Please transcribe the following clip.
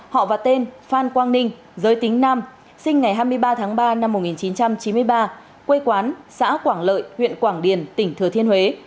họ và tên phan quang ninh giới tính nam sinh ngày hai mươi ba tháng ba năm một nghìn chín trăm chín mươi ba quê quán xã quảng lợi huyện quảng điền tỉnh thừa thiên huế